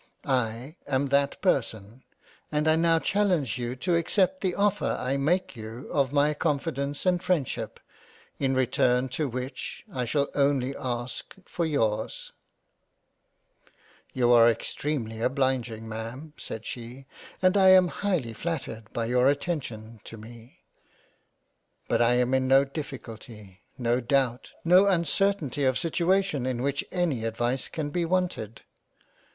I am that person, and I now challenge you to accept the offer I make you of my Confidence and Freindship, in return to which I shall only ask for yours —"" You are extremely obliging Ma'am — said she — and I am highly flattered by your attention to me — But I am in no difficulty, no doubt, no uncertainty of situation in which any advice can be wanted.